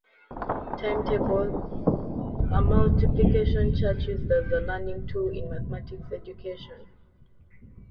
Times tables - a multiplication chart used as a learning tool in mathematics education.